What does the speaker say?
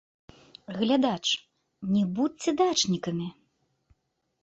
Глядач, не будзьце дачнікамі!